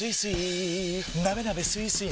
なべなべスイスイ